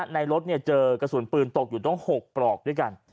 ในรถเจอกระสุนปืนตกอยู่ต้อง๖ปลอกด้วยกัน